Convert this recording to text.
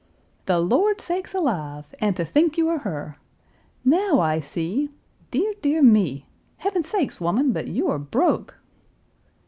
"The Lord sakes alive! and to think you are her! Now I see. Dear! dear me! Heaven sakes, woman, but you are broke!"